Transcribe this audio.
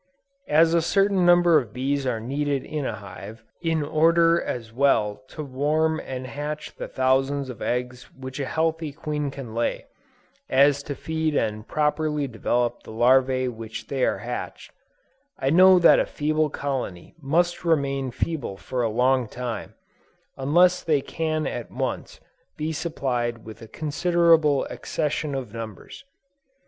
As a certain number of bees are needed in a hive, in order as well to warm and hatch the thousands of eggs which a healthy queen can lay, as to feed and properly develop the larvæ after they are hatched, I know that a feeble colony must remain feeble for a long time, unless they can at once be supplied with a considerable accession of numbers.